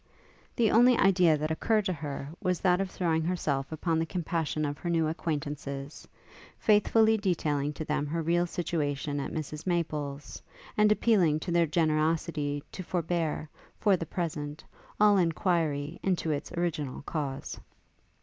The only idea that occurred to her, was that of throwing herself upon the compassion of her new acquaintances, faithfully detailing to them her real situation at Mrs Maple's, and appealing to their generosity to forbear, for the present, all enquiry into its original cause.